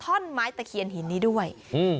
ท่อนไม้ตะเคียนหินนี้ด้วยอืม